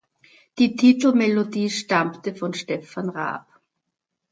Die Titelmelodie stammte von Stefan Raab.